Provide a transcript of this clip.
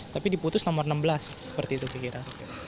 tapi diputus nomor enam belas seperti itu kira kira